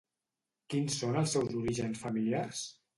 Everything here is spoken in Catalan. Quins són els seus orígens familiars?